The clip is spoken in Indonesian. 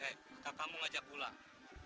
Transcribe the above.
hei kak kamu ngajak pulang